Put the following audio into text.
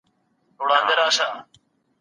حقه فیصله زړونو ته سکون ورکوي.